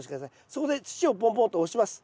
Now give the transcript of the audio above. そこで土をポンポンと押します。